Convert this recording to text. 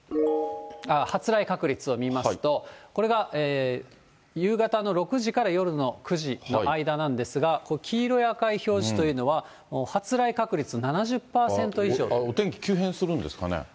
発雷確率を見ますと、これが夕方の６時から夜の９時の間なんですが、これ、黄色や赤い表示というのは、お天気急変するんですかね。